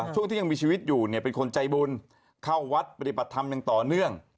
ช่วงที่ยังมีชีวิตอยู่เนี่ยเป็นคนใจบุญเข้าวัดปฏิบัติธรรมอย่างต่อเนื่อง